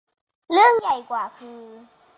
เรื่องใหญ่กว่าคือ